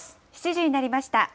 ７時になりました。